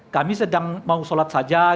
kami sedang mau sholat saja